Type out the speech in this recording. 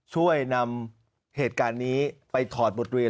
ช่วยนำเหตุการณ์นี้ไปถอดบทเรียน